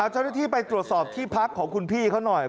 จัวเล็จมีไปตรวจสอบที่ภักร์ของคุณพี่เขาน่อย